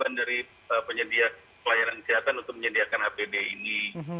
ya jadi itu adalah penyedia pelayanan kesehatan untuk menyediakan apd ini